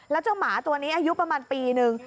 แล้วเจ้าหมาตัวนี้อายุประมาณปีนึง